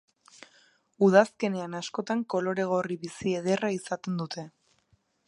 Udazkenean askotan kolore gorri bizi ederra izaten dute.